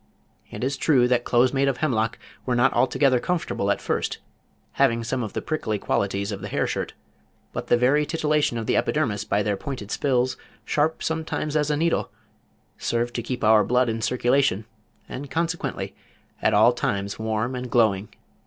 It is true that clothes made of hemlock were not altogether comfortable at first, having some of the prickly qualities of the hair shirt, but the very tittilation of the epidermis by their pointed spills, sharp sometimes as a needle, served to keep our blood in circulation, and consequently at all times warm and glowing.